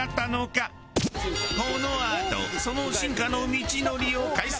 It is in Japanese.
このあとその進化の道のりを解説。